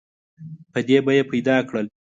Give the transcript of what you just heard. په دې به یې پیدا کړل.